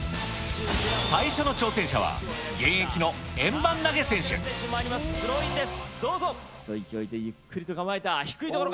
最初の挑戦者は、現役の円盤投げスローインです。